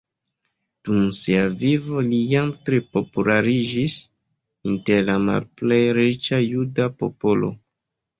Dum sia vivo li jam tre populariĝis inter la malplej riĉa juda popolo.